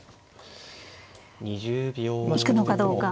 行くのかどうか。